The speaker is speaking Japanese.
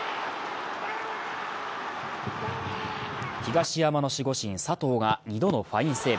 東山の守護神・佐藤が２度のファインセーブ。